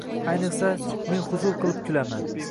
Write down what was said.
Ayniqsa, men huzur qilib kulaman.